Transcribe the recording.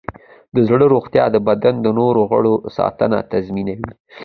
د زړه روغتیا د بدن د نور غړو ساتنه تضمینوي.